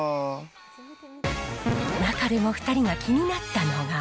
中でも２人が気になったのが。